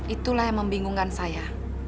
itulah yang membingungkan saya